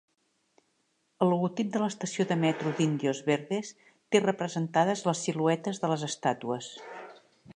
El logotip de l'estació de metro d'Indios Verdes té representades les siluetes de les estàtues.